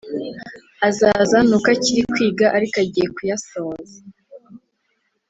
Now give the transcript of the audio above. Azaza nuko akiri kwiga ariko agiye kuyasoza